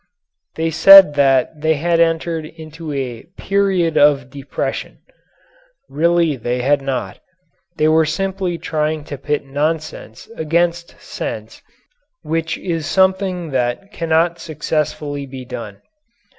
They said that they had entered into a "period of depression." Really they had not. They were simply trying to pit nonsense against sense which is something that cannot successfully be done.